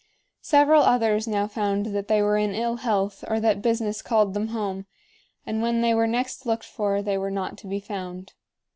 Several others now found that they were in ill health or that business called them home; and when they were next looked for, they were not to be found.